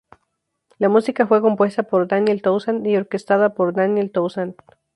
La música fue compuesta por Daniel Toussaint, y orquestada por Daniel Toussaint.